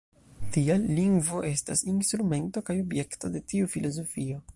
Tial lingvo estas instrumento kaj objekto de tiu filozofio.